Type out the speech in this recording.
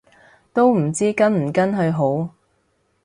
都唔知跟唔跟去好